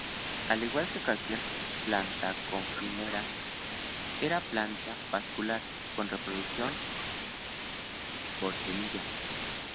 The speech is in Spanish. Al igual que cualquier planta conífera, era una planta vascular, con reproducción por semilla.